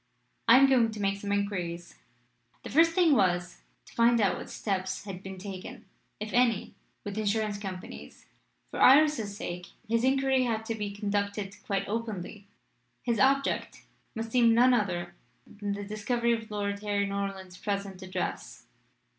I am going to make some inquiries." The first thing was to find out what steps had been taken, if any, with insurance companies. For Iris's sake his inquiry had to be conducted quite openly. His object must seem none other than the discovery of Lady Harry Norland's present address.